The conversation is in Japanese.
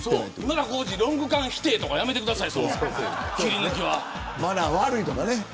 今田耕司、ロング缶を否定とか切り抜きはやめてください。